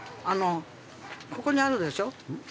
あのここにあるでしょ？